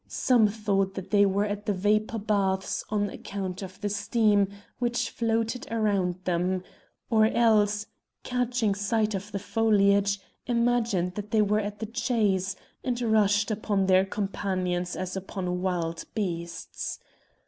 Some thought that they were at the vapour baths on account of the steam which floated around them, or else, catching sight of the foliage, imagined that they were at the chase, and rushed upon their companions as upon wild beasts.